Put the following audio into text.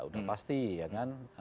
sudah pasti ya kan